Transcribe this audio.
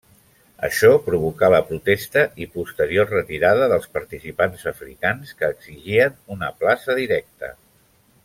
Això provocà la protesta i posterior retirada dels participants africans, que exigien una plaça directa.